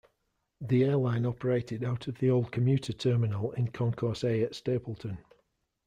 The airline operated out of the old commuter terminal in Concourse A at Stapleton.